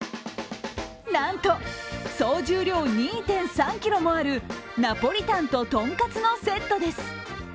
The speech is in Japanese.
なんと総重量２．３ｋｇもあるナポリタンとトンカツのセットです。